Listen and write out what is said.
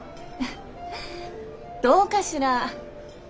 フッどうかしら？